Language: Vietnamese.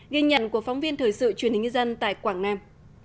ghi nhận của phóng viên thời sự truyền hình nhân dân tại quảng nam